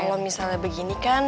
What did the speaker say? kalau misalnya begini kan